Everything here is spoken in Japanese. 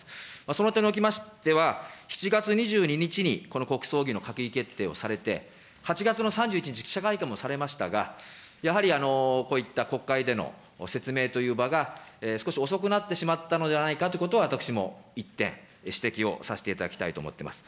その点におきましては、７月２２日にこの国葬儀の閣議決定をされて、８月の３１日に記者会見もされましたが、やはりこういった国会での説明という場が少し遅くなってしまったのでないかということは、私も１点、指摘をさせていただきたいと思ってます。